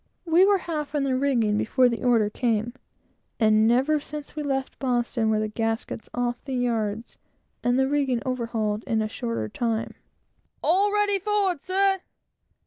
We were half in the rigging before the order came, and never since we left Boston were the gaskets off the yards, and the rigging overhauled, in a shorter time. "All ready forward, sir!"